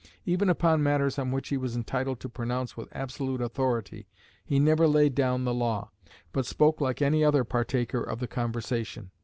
Even upon matters on which he was entitled to pronounce with absolute authority, he never laid down the law, but spoke like any other partaker of the conversation.